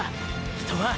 人は！！